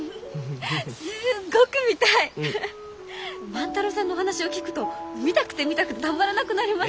万太郎さんのお話を聞くと見たくて見たくてたまらなくなります！